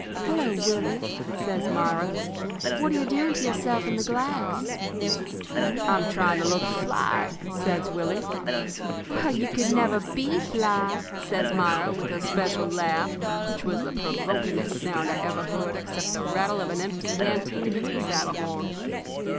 "'Hello, Willie!' says Myra. 'What are you doing to yourself in the glass?' "'I'm trying to look fly,' says Willie. "'Well, you never could be fly,' says Myra, with her special laugh, which was the provokingest sound I ever heard except the rattle of an empty canteen against my saddle horn.